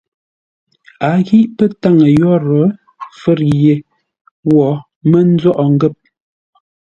A ghîʼ pə́ táŋə yórə́ fə̌r yé wo mə́ nzóghʼə ngə̂p.